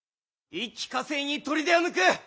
一気呵成に砦を抜く！